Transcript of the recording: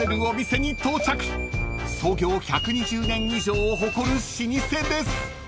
［創業１２０年以上を誇る老舗です］